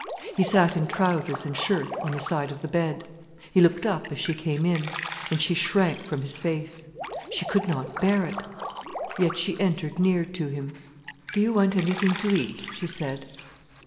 He sat in trousers and shirt on the side of the bed. He looked up as she came in, and she shrank from his face. She could not bear it. Yet she entered near to him. "Do you want anything to eat?" she said.